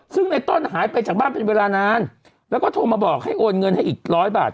ซึ่งในต้นหายไปจากบ้านเป็นเวลานานแล้วก็โทรมาบอกให้โอนเงินให้อีกร้อยบาท